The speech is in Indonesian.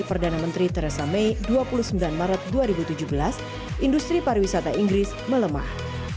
perdana menteri theresa mei dua puluh sembilan maret dua ribu tujuh belas industri pariwisata inggris melemah